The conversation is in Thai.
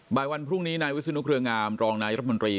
บ่ายวันพรุ่งนี้นายวิศนุเครืองามรองนายรัฐมนตรี